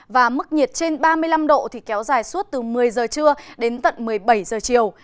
và mức nhiệt trên ba mươi năm độ thì kéo dài suốt từ một mươi giờ trưa đến tận một mươi bảy giờ chiều